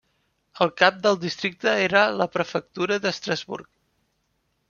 El cap del districte era la prefectura d'Estrasburg.